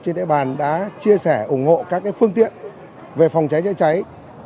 trên địa bàn đã chia sẻ ủng hộ các phương tiện về phòng cháy chữa cháy